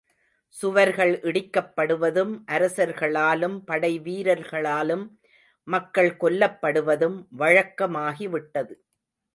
சுவர்கள் இடிக்கப்படுவதும், அரசர்களாலும், படைவீரர்களாலும் மக்கள் கொல்லப்படுவதும், வழக்கமாகிவிட்டது.